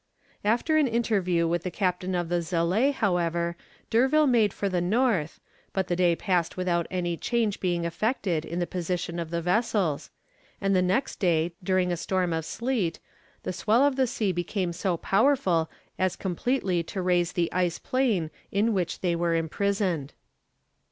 After an interview with the captain of the Zelée, however, D'Urville made for the north, but the day passed without any change being effected in the position of the vessels, and the next day during a storm of sleet the swell of the sea became so powerful as completely to raise the ice plain in which they were imprisoned.